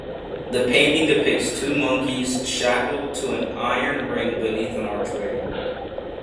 The painting depicts two monkeys shackled to an iron ring beneath an archway.